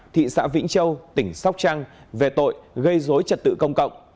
thị xã vĩnh châu tỉnh sóc trăng về tội gây dối trật tự công cộng